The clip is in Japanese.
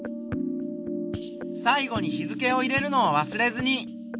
最後に日付を入れるのをわすれずに。